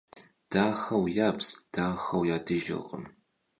Daxeu yabz daxeu yadıjjırkhım.